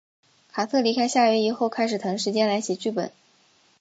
卡特离开夏威夷后开始腾时间来写剧本。